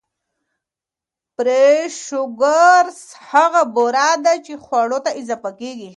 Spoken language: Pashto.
Fresh sugars هغه بوره ده چې خواړو ته اضافه کېږي.